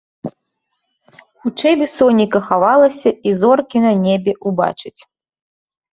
Хутчэй бы сонейка хавалася і зоркі на небе ўбачыць.